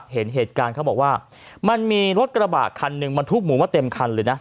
เห็นเหตุการณ์เขาบอกว่ามันมีรถกระบะคันหนึ่งมันทุกหมูมาเต็มคันเลยนะ